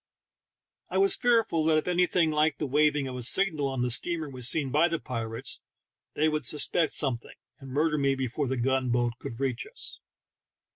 I was fearful that if anything like the waving of a signal on the steamer was seen by the pirates they would suspect something, and murder me before the gun boat could reach us.